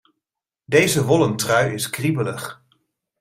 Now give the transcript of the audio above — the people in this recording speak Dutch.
Deze wollen trui is kriebelig.